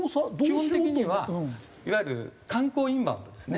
基本的にはいわゆる観光インバウンドですね。